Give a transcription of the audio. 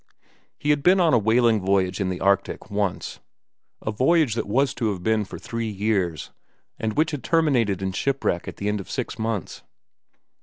He had been on a whaling voyage in the Arctic, once—a voyage that was to have been for three years and which had terminated in shipwreck at the end of six months.